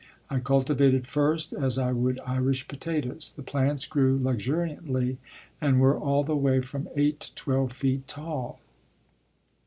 I cultivated first as I would Irish potatoes. The plants grew luxuriantly and were all the way from 8 to 12 feet tall.